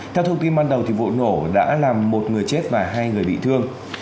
theo thông tin ban đầu vụ nổ đã làm một người chết và hai người bị thương